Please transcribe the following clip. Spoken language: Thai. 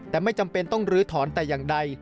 แต่ไม่จำเป็นต้องลื้อถอนแต่อย่างใด